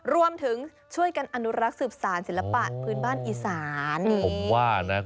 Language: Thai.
รวมถึงช่วยกันอนุรักษ์สืบสารศิลปะพื้นบ้านอีสานผมว่านะ